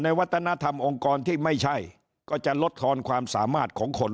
วัฒนธรรมองค์กรที่ไม่ใช่ก็จะลดทอนความสามารถของคน